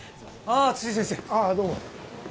ああどうも。